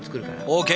ＯＫ。